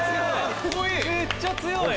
「めっちゃ強い！」